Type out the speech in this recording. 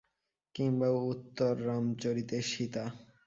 কিম্বা উত্তররামচরিতের সীতা?